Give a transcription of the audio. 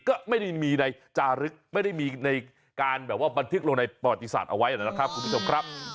ก็ไม่ได้มีในจารึกไม่ได้มีในการแบบว่าบันทึกลงในประวัติศาสตร์เอาไว้นะครับคุณผู้ชมครับ